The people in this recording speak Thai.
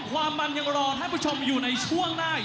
ความมันยังรอท่านผู้ชมอยู่ในช่วงหน้า